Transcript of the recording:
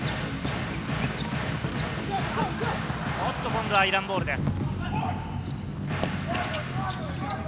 今度はイランボールです。